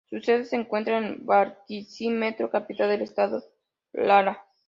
Su sede se encuentra en Barquisimeto, capital del Estado Lara.